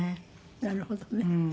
なるほどね。